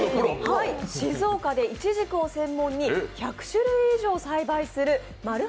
静岡でイチジクを専門に１００種類以上を栽培するまる